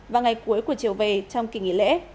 và ngày cuối của chiều về trong kỳ nghỉ lễ